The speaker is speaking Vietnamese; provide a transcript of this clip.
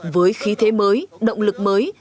với khí thế mới động lực mới